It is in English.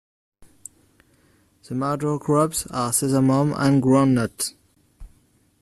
The major crops are sesamum and groundnut.